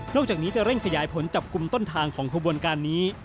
จากนี้จะเร่งขยายผลจับกลุ่มต้นทางของขบวนการนี้